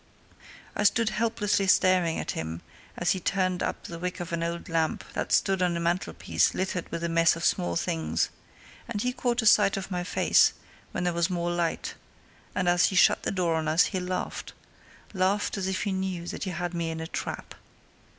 I stood helplessly staring at him as he turned up the wick of an oil lamp that stood on a mantelpiece littered with a mess of small things, and he caught a sight of my face when there was more light, and as he shut the door on us he laughed laughed as if he knew that he had me in a trap.